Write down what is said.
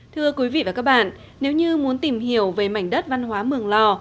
thưa quý vị và các bạn nếu như muốn tìm hiểu về mảnh đất văn hóa mường lò